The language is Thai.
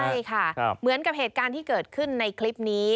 ใช่ค่ะเหมือนกับเหตุการณ์ที่เกิดขึ้นในคลิปนี้